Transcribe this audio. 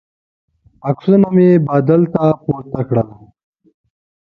عکسونه مې بادل ته پورته کړل.